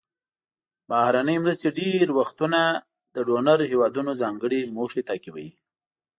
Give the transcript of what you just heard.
بهرنۍ مرستې ډیری وختونه د ډونر هیوادونو ځانګړې موخې تعقیبوي.